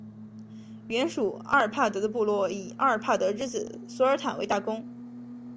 原属阿尔帕德的部落以阿尔帕德之子索尔坦为大公。